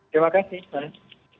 terima kasih pak